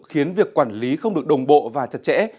khiến việc quản lý không được đồng bộ và chặt chẽ